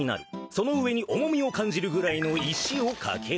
その上に重みを感じるぐらいの石をかける。